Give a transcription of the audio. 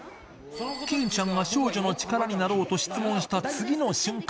欽ちゃんが少女の力になろうと質問した、次の瞬間。